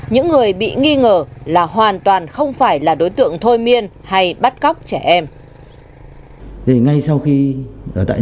những người bị nghi ngờ là hoàn toàn không có hành động như vậy